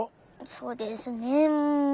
そうですねうん。